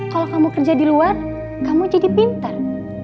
kalau kamu kerja di luar kamu jadi pintar